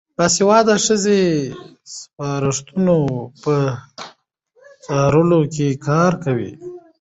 باسواده ښځې د سفارتونو په چارو کې کار کوي.